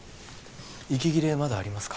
息切れまだありますか？